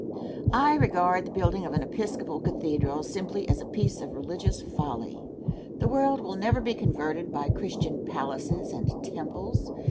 Answer. I regard the building of an Episcopal cathedral simply as a piece of religious folly. The world will never be converted by Christian palaces and temples.